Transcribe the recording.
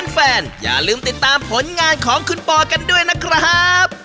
อย่าลืมติดตามผลงานของคุณปอกันด้วยนะครับ